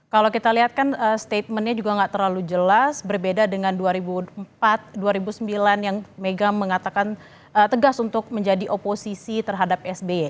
kalau kita lihat kan statementnya juga nggak terlalu jelas berbeda dengan dua ribu empat dua ribu sembilan yang mega mengatakan tegas untuk menjadi oposisi terhadap sby